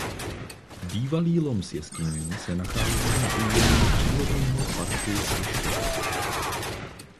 Bývalý lom s jeskyní se nachází na území Přírodního parku Ještěd.